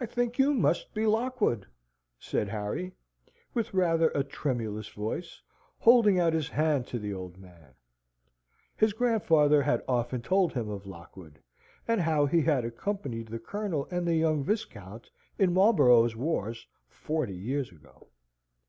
"I think you must be Lockwood," said Harry, with rather a tremulous voice, holding out his hand to the old man. His grandfather had often told him of Lockwood, and how he had accompanied the Colonel and the young Viscount in Marlborough's wars forty years ago.